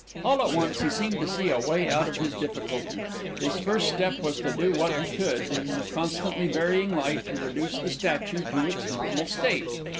All at once he seemed to see a way out of his difficulty. His first step was to do what he could, in the constantly varying light, to reduce the statue to its normal state.